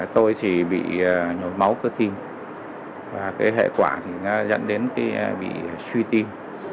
tôi chỉ bị nhồi máu cơ tim và cái hệ quả thì nó dẫn đến cái bị suy tim